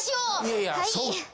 はい。